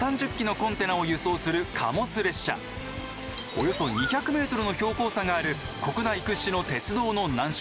およそ２００メートルの標高差がある国内屈指の鉄道の難所